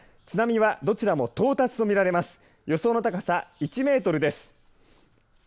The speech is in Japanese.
津波はどちらも到達と見られます。